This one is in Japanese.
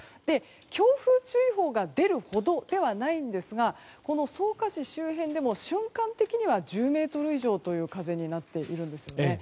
強風注意報が出るほどではないんですが草加市周辺でも瞬間的には１０メートル以上の風になっているんですね。